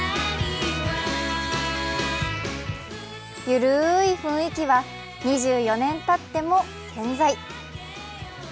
緩い雰囲気は２４年たっても健在。